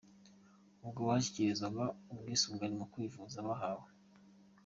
Ubwo bashyikirizwaga ubwisungane mu kwivuza bahawe.